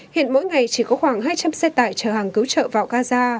hiện mỗi ngày chỉ có khoảng hai trăm linh xe tải chở hàng cứu trợ vào gaza